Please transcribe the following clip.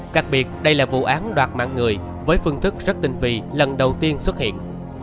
đặc biệt đây là vụ án đoạt mạng người với phương thức rất tinh vi lần đầu tiên xuất hiện